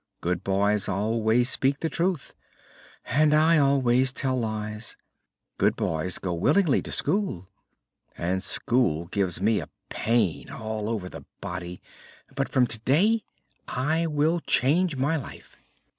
"Good boys always speak the truth." "And I always tell lies." "Good boys go willingly to school." "And school gives me pain all over the body. But from today I will change my life."